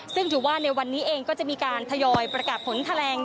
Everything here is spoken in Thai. ซึ่งถือว่าในวันนี้เองก็จะมีการทยอยประกาศผลแถลง